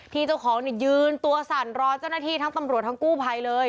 ที่เจ้าของยืนตัวสั่นรอเจ้าหน้าที่ทั้งตำรวจทั้งกู้ภัยเลย